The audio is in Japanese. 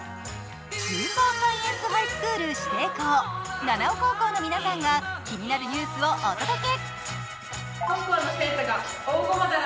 スーパーサイエンスハイスクール指定校、七尾高校の皆さんが気になるニュースをお届け。